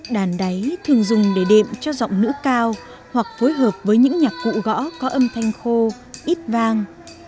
đàn đáy thường dùng để đệm cho giọng nữ cao hoặc phối hợp với những nhạc cụ gõ có âm thanh khô ít vang